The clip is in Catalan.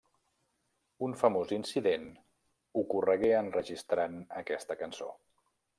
Un famós incident ocorregué enregistrant aquesta cançó.